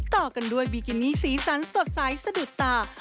ต่อกันด้วยบิกินี่สีสันสดใสสะดุดตา